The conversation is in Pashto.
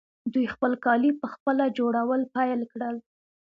دوی خپل کالي پخپله جوړول پیل کړل.